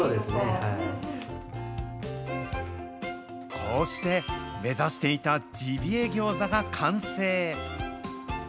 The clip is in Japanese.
こうして、目指していたジビエ餃子が完成。